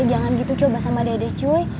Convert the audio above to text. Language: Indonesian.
eh jangan gitu coba sama dede cuy